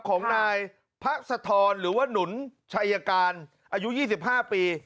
ของนายพระสะทรหรือว่าหนุนชัยการอายุ๒๕ปี